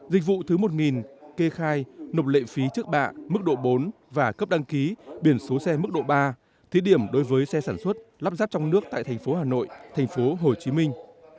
dịch vụ thứ một kê khai nộp lệ phí trước bạ mức độ bốn và cấp đăng ký biển số xe mức độ ba thí điểm đối với xe sản xuất lắp ráp trong nước tại thành phố hà nội thành phố hồ chí minh